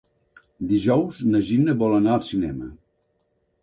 Dijous na Gina vol anar al cinema.